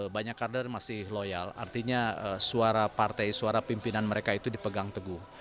banyak kader masih loyal artinya suara partai suara pimpinan mereka itu dipegang teguh